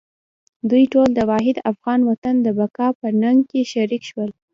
دوی ټول د واحد افغان وطن د بقا په ننګ کې شریک شول.